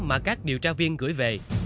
mà các điều tra viên gửi về